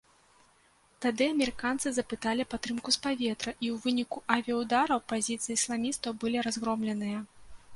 Тады амерыканцы запыталі падтрымку з паветра, і ў выніку авіяўдараў пазіцыі ісламістаў былі разгромленыя.